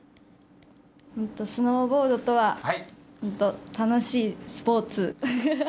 スノーボードとは楽しいスポーツ。